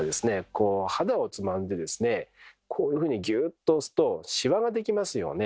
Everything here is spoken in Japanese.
こう肌をつまんでですねこういうふうにギューッと押すとしわができますよね。